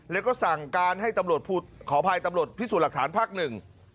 แล้วก็สั่งการให้ตำรวจขออภัยตำรวจพิสูจน์หลักฐานภาคหนึ่ง